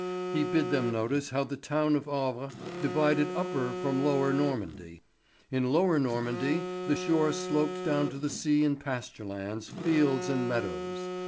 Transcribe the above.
He bid them notice how the town of Havre divided Upper from Lower Normandy. In Lower Normandy the shore sloped down to the sea in pasture lands, fields, and meadows.